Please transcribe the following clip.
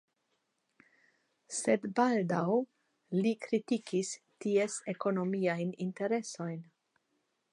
Sed baldaŭ li kritikis ties ekonomiajn interesojn.